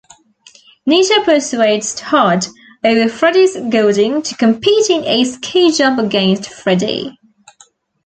Nita persuades Todd, over Freddie's goading, to compete in a ski jump against Freddie.